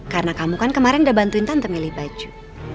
karena kamu kan kemarin udah bantuin tante milih baju